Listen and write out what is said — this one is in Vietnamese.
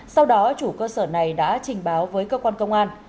sau đó chủ cơ sở này đã trình báo với cơ quan công an